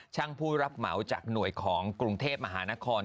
ผู้รับเหมาจากหน่วยของกรุงเทพมหานคร